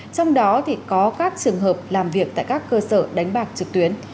trong đó có các trường hợp làm việc tại các cơ sở đánh bạc trực tuyến